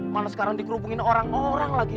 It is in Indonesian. malah sekarang dikerubungin orang orang lagi